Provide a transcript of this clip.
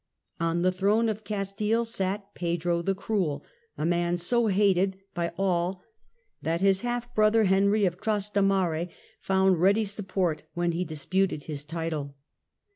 On the throne of Cas tile sat Pedro the Cruel, a man so hated by all that his half brother Henry of Trastamare found ready support when he disputed his title.